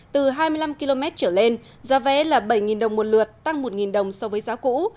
từ hai mươi năm km trở lên giá vé là bảy đồng một lượt tăng một đồng so với giá cũ